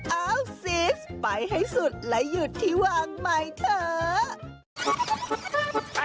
เอาซีสไปให้สุดและหยุดที่วางใหม่เถอะ